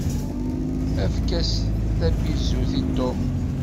Efk-as tabizut i Tom!